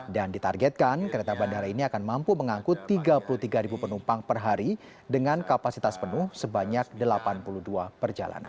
dan ditargetkan kereta bandara ini akan mampu mengangkut tiga puluh tiga penumpang per hari dengan kapasitas penuh sebanyak delapan puluh dua perjalanan